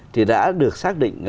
thì đã được xác định